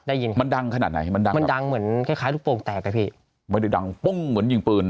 ได้ยินมันดังขนาดไหนมันดังเหมือนคล้ายลูกโปรงแตกนะพี่มันดังปุ้งเหมือนยิงปืน